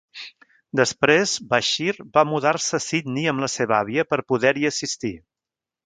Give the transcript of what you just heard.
Després, Bashir va mudar-se a Sydney amb la seva àvia per poder-hi assistir.